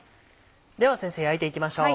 では先生焼いていきましょう。